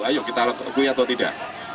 ayo kita akui atau tidak